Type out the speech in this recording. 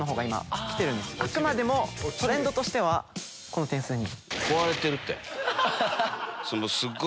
あくまでもトレンドとしてはこの点数に。